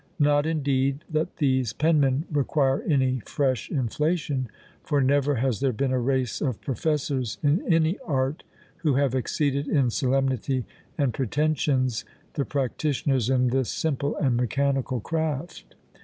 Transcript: Not indeed that these penmen require any fresh inflation; for never has there been a race of professors in any art who have exceeded in solemnity and pretensions the practitioners in this simple and mechanical craft.